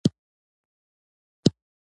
چای د ژمي شپه خوږه کوي